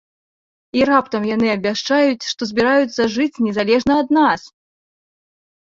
І раптам яны абвяшчаюць, што збіраюцца жыць незалежна ад нас!